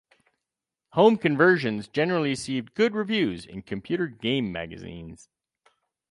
Home conversions generally received good reviews in computer game magazines.